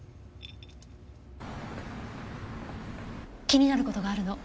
気になる事があるの。